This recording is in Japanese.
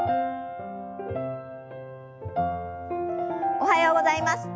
おはようございます。